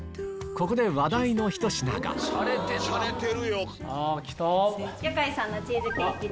ここで話題のひと品があ来た！